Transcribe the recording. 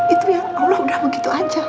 itu ya allah udah begitu aja